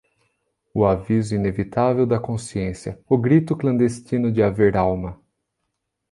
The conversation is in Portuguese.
o aviso inevitável da consciência, o grito clandestino de haver alma